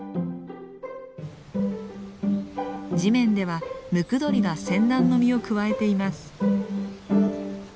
地面ではムクドリがセンダンの実をくわえています。